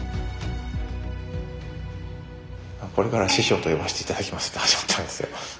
「これからは師匠と呼ばして頂きます」って始まったんですよ。